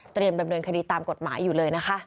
ดำเนินคดีตามกฎหมายอยู่เลยนะคะ